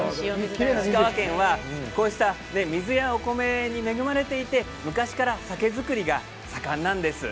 石川県は水やお米に恵まれていて昔から酒造りが盛んなんです。